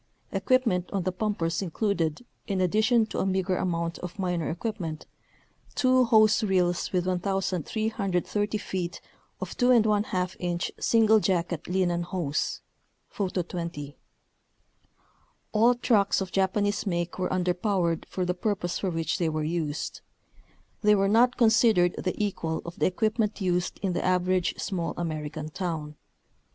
Equipment on the pumpers included, in addition to a meager amount of minor equipment, two hose reels with 1,330 feet of 2Vi inch single jacket linen hose (Photo 20) . All trucks of Japanese make were underpowered for the purpose for which they were used. They were not considered the equal of the equipment used in the average small American town.